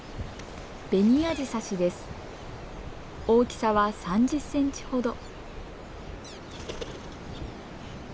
大きさは３０センチほど。